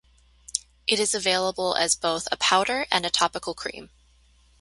It is available as both a powder and a topical cream.